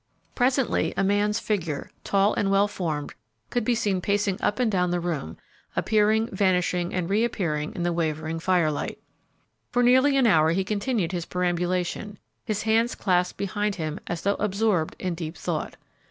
Presently a man's figure, tall and well formed, could be seen pacing up and down the room, appearing, vanishing, and reappearing in the wavering firelight. For nearly an hour he continued his perambulation, his hands clasped behind him as though absorbed in deep thought.